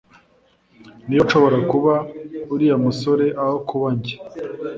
Niba nshobora kuba uriya musore aho kuba njye